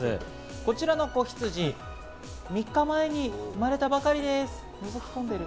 こちらの子ヒツジ、３日前に生まれたばかりです。